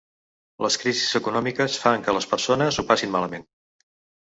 Les crisis econòmiques fan que les persones ho passin malament.